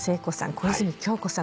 小泉今日子さん